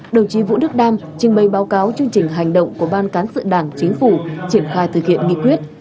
đồng chí vũ đức đam trình bày báo cáo chương trình hành động của ban cán sự đảng chính phủ triển khai thực hiện nghị quyết